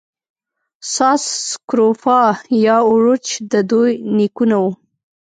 ساس سکروفا یا اوروچ د دوی نیکونه وو.